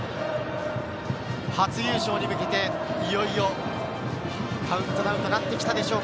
初優勝に向けて、いよいよカウントダウンとなってきたでしょうか。